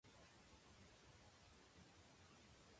Està sobre carreus d'edificacions anteriors de la mateixa família.